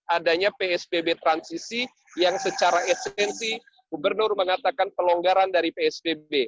adanya psbb transisi yang secara esensi gubernur mengatakan pelonggaran dari psbb